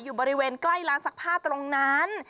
อยู่บริเวณใกล้ร้านซักผ้าตรงนั้น